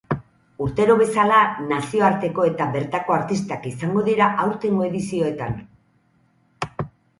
Urtero bezala, nazioarteko eta bertako artistak izango dira aurtengo edizioetan.